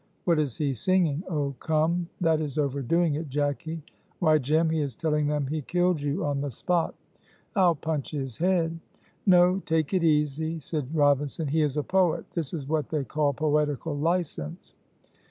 What is he singing? Oh, come! that is overdoing it, Jacky! Why, Jem! he is telling them he killed you on the spot." "I'll punch his head!" "No! take it easy," said Robinson; "he is a poet; this is what they call poetical license."